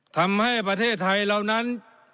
ทำให้ประเทศไทยเรานั้น